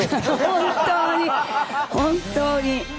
本当に、本当に！